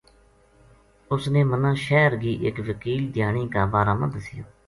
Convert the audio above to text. اُس نے مَنا شہر گی ایک وکیل دھیانی کا بارا ما دَسیو